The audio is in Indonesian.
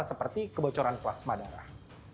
seperti kebocoran plasma darah